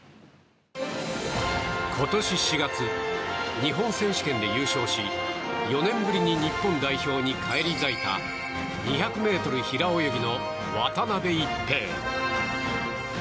今年４月、日本選手権で優勝し４年ぶりに日本代表に返り咲いた２００ｍ平泳ぎの渡辺一平。